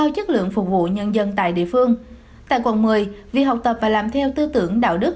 chất lượng phục vụ nhân dân tại địa phương tại quận một mươi việc học tập và làm theo tư tưởng đạo đức